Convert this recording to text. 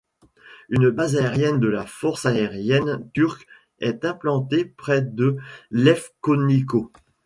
Une base aérienne de la Force Aérienne turque est implantée près de Lefkóniko.